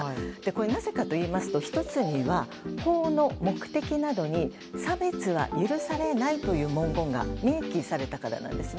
なぜかといいますと１つには法の目的などに差別は許されないという文言が明記されたからなんですね。